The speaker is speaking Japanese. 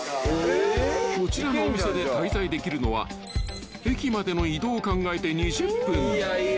［こちらのお店で滞在できるのは駅までの移動を考えて２０分］